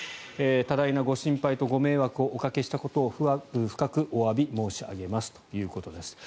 多大なご心配とご迷惑をおかけしたことを深くおわび申し上げますということです。